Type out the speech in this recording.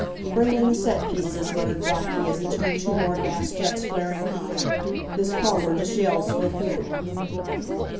"Bring in the set pieces," muttered Blackie, as he turned two more gas jets flaring high. "This parlor just yells for a funeral."